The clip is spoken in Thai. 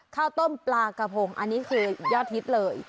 ข้าวต้มปลากระพงอันนี้คือยอดฮิตเลย